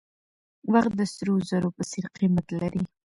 وخت د سرو زرو په څېر قیمت لري.